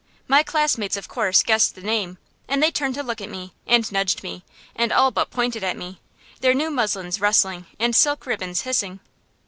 My classmates, of course, guessed the name, and they turned to look at me, and nudged me, and all but pointed at me; their new muslins rustling and silk ribbons hissing.